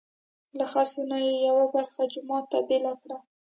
له خسو نه یې یوه برخه جومات ته بېله کړه.